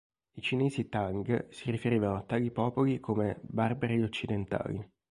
I Cinesi Tang si riferivano a tali popoli come "barbari occidentali".